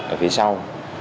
ở phía sau